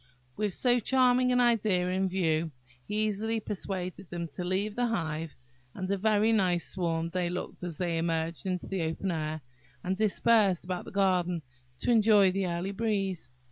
With so charming an idea in view, he easily persuaded them to leave the hive; and a very nice swarm they looked as they emerged into the open air, and dispersed about the garden to enjoy the early breeze.